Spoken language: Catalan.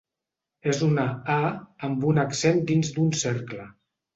És una ‘a’ amb un accent dins d’un cercle.